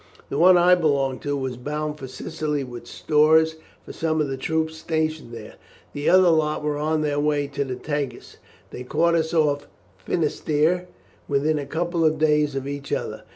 The one I belonged to was bound for Sicily with stores for some of the troops stationed there; the other lot were on their way to the Tagus. They caught us off Finisterre within a couple of days of each other.